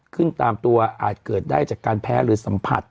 ขึ้นตามตัวอาจเกิดได้จากการแพ้หรือสัมผัส